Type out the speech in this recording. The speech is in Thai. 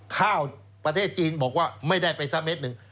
ข้าวประเทศจีนบอกว่าไม่ได้ไปสักเม็ดหนึ่ง